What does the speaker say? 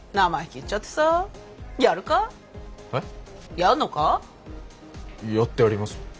やってやりますよ。